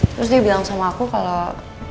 terus dia bilang sama aku kalau